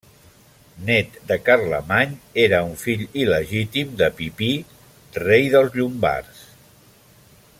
Nét de Carlemany, era un fill il·legítim de Pipí, rei dels Llombards.